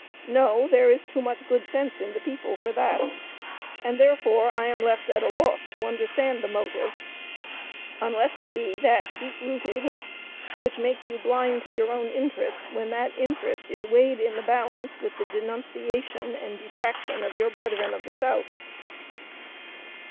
No, there is too much good sense in the people for that; and, therefore, I am left at a loss to understand the motive, unless it be that deep rooted hate which makes you blind to your own interest when that interest is weighed in the balance with the denunciation and detraction of your brethren of the South.